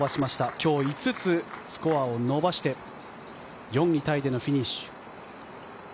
今日５つスコアを伸ばして４位タイでのフィニッシュ。